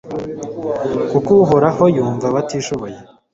Kuko Uhoraho yumva abatishoboye